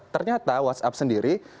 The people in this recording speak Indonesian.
ternyata whatsapp sendiri